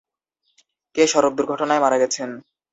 কে সড়ক দুর্ঘটনায় মারা গেছেন?